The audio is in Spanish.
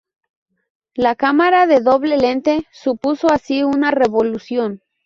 La cámara de doble lente supuso así una revolución.